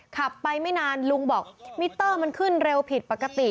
ขับไปไม่นานลุงบอกมิเตอร์มันขึ้นเร็วผิดปกติ